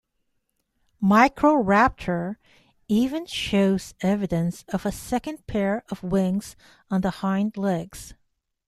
"Microraptor" even shows evidence of a second pair of wings on the hind legs.